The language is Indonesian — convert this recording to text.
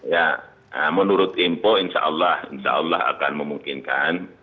ya menurut info insya allah akan memungkinkan